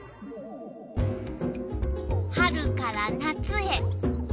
春から夏へ。